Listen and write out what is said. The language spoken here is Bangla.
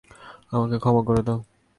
আমাকে ক্ষমা করে দাও।